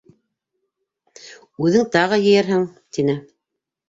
Үҙең тағы йыйырһың, — тине.